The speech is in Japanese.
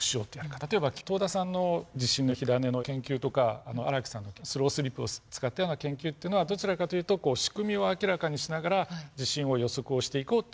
例えば遠田さんの地震の火種の研究とか荒木さんのスロースリップを使ったような研究というのはどちらかというと仕組みを明らかにしながら地震を予測をしていこうっていう研究。